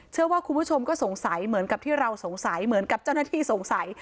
เชื่อว่าคุณผู้ชมก็สงสัยเหมือนกับที่เราสงสัยเหมือนกับเจ้าหน้าที่สงสัย